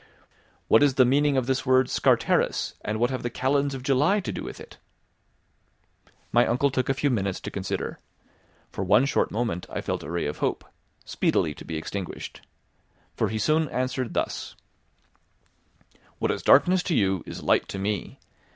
"What is the meaning of this word Scartaris, and what have the kalends of July to do with it?" My uncle took a few minutes to consider. For one short moment I felt a ray of hope, speedily to be extinguished. For he soon answered thus: "What is darkness to you is light to me.